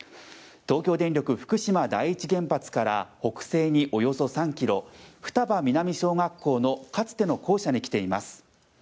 東京電力福島第一原発から北西におよそ３ｋｍ双葉南小学校のかつての校舎に来ています。